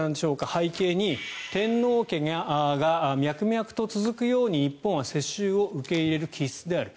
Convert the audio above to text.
背景に天皇家が脈々と続くように日本は世襲を受け入れる気質である。